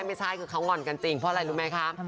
ไม่ใช่คือเขาง่อนกันจริงเพราะอะไรรู้ไหมคะ